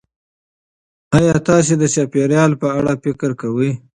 ایا تاسې د چاپیریال په اړه فکر کوئ؟